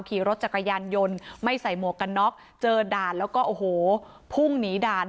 ขี่รถจักรยานยนต์ไม่ใส่หมวกกันน็อกเจอด่านแล้วก็โอ้โหพุ่งหนีด่าน